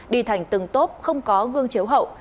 đi thành từng tốp không có gương chiếu hậu